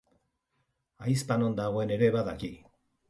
Ahizpa non dagoen ere badaki.